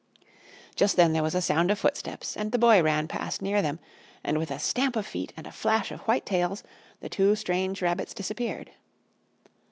Just then there was a sound of footsteps, and the Boy ran past near them, and with a stamp of feet and a flash of white tails the two strange rabbits disappeared.